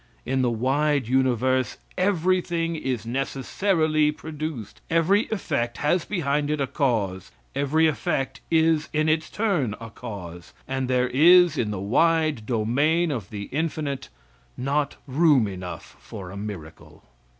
In the wide universe everything is necessarily produced, every effect has behind it a cause, every effect is in its turn a cause, and there is in the wide domain of the infinite not room enough for a miracle.